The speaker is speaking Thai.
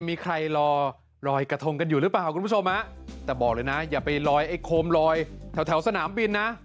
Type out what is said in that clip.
มีใครรอลอยกระทงกันอยู่หรือเปล่าคุณผู้ชมฮะแต่บอกเลยนะอย่าไปลอยไอ้โคมลอยแถวแถวสนามบินนะ